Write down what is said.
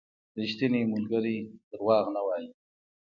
• ریښتینی ملګری دروغ نه وايي.